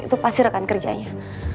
itu pasti rekan kerjanya